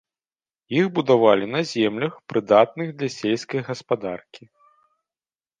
Іх будавалі на землях, прыдатных для сельскай гаспадаркі.